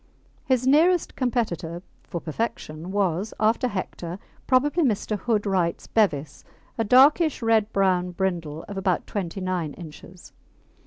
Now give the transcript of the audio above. His nearest competitor for perfection was, after Hector, probably Mr. Hood Wright's Bevis, a darkish red brown brindle of about 29 inches.